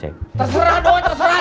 terserah doi terserah